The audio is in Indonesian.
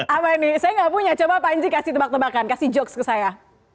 apa ini saya nggak punya coba panji kasih tebak tebakan kasih jokes ke saya